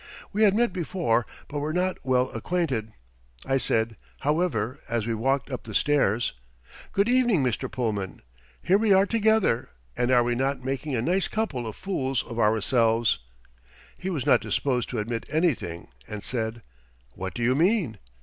We had met before, but were not well acquainted. I said, however, as we walked up the stairs: "Good evening, Mr. Pullman! Here we are together, and are we not making a nice couple of fools of ourselves?" He was not disposed to admit anything and said: "What do you mean?"